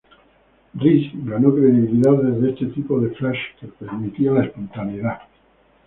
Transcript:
Riis ganó credibilidad desde este tipo de flash que permitía la espontaneidad.